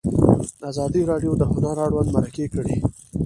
ازادي راډیو د هنر اړوند مرکې کړي.